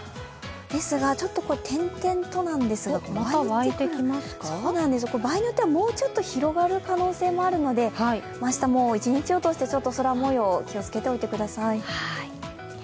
ですが点々となんですが、また湧いてくる、場合によってはもうちょっと広がる可能性があるので明日は一日を通して空もよう気をつけていてください。